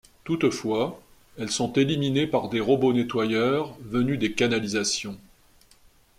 Toutefois, elles sont éliminées par des robots nettoyeurs venus des canalisations.